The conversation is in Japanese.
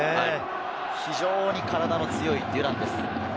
非常に体の強いデュランです。